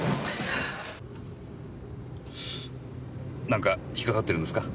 何か引っかかってるんですか？